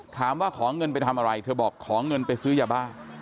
ขอเงินไปทำอะไรเธอบอกขอเงินไปซื้อยาบ้า